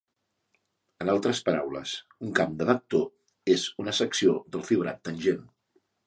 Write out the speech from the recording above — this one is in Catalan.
En altres paraules, un camp de vector és una secció del fibrat tangent.